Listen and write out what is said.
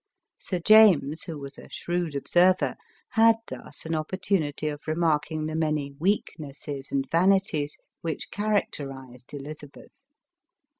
Sir James, who was a shrewd observer, had thus an opportunity of remarking the many weaknesses and vanities which characterized Elizabeth.